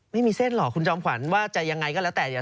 ไม่มีเส้นหรอกคุณจอมขวัญว่าจะยังไงก็แล้วแต่